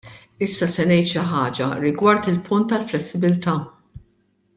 Issa se ngħid xi ħaġa rigward il-punt tal-flessibilità.